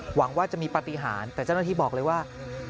หวังว่าจะมีปฏิหารแต่เจ้าหน้าที่บอกเลยว่า